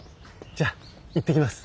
じゃあ行ってきます。